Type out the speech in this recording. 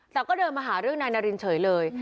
แต่ก็เดินมาหาเรื่องนายนารินเฉยเลย